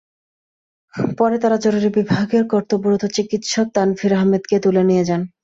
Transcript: পরে তাঁরা জরুরি বিভাগের কর্তব্যরত চিকিৎসক তানভির আহমেদকে তুলে নিয়ে যান।